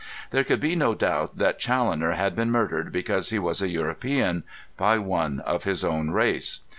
There could be no doubt that Challoner had been murdered because he was a European, by one of his own race.